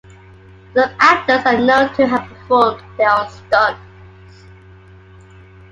Some actors are known to have performed their own stunts.